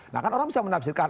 nah kan orang bisa menafsirkan